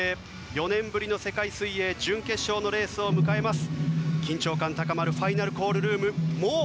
４年ぶりの世界水泳準決勝のレースを迎えます。